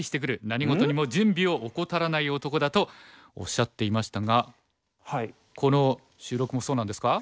何事にも準備を怠らない男だ」とおっしゃっていましたがこの収録もそうなんですか？